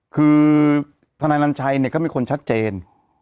คือทนายนันชัยเนี่ยก็มีคนชัดเจน